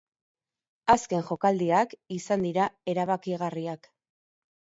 Azken jokaldiak izan dira erabakigarriak.